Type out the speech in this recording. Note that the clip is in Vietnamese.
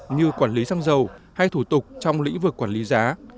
như quản lý xăng dầu hay thủ tục trong lĩnh vực quản lý giá